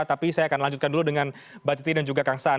tapi saya akan lanjutkan dulu dengan mbak titi dan juga kang saan